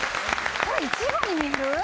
これいちごに見える？